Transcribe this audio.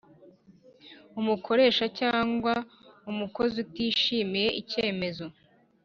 Umukoresha cyangwa umukozi utishimiye icyemezo